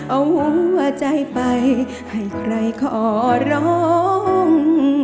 เอาหัวใจไปให้ใครขอร้อง